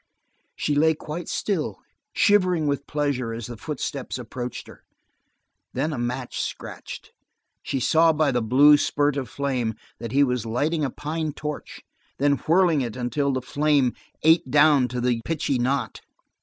She lay quite still, shivering with pleasure as the footsteps approached her. Then a match scratched she saw by the blue spurt of flame that he was lighting a pine torch, then whirling it until the flame ate down to the pitchy knot.